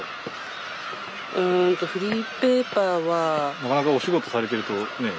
なかなかお仕事されてるとね。